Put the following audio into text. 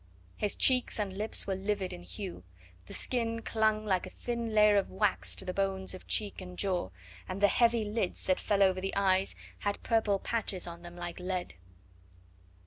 His cheeks and lips were livid in hue, the skin clung like a thin layer of wax to the bones of cheek and jaw, and the heavy lids that fell over the eyes had purple patches on them like lead.